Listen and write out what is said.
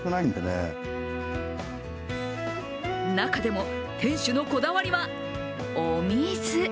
中でも店主のこだわりは、お水。